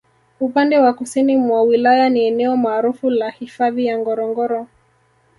Upande wa Kusini mwa Wilaya ni eneo maarufu la Hifadhi ya Ngorongoro